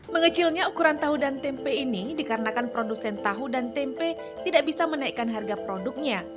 mengecilnya ukuran tahu dan tempe ini dikarenakan produsen tahu dan tempe tidak bisa menaikkan harga produknya